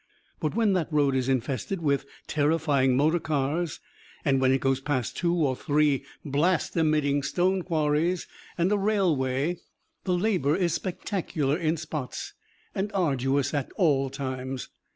But when that road is infested with terrifying motor cars and when it goes past two or three blast emitting stone quarries and a railway, the labour is spectacular in spots and arduous at all times.